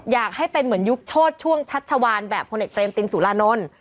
อยากให้เป็นเหมือนยุคโชดช่วงชัชวานแบบพลเอกเรมตินสุรานนท์